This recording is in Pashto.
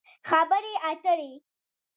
خبرې اترې